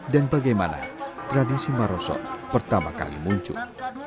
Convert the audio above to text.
dan bagaimana tradisi maroso pertama kali muncul